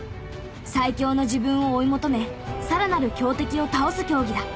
最強の自分を追い求めさらなる強敵を倒す競技だ。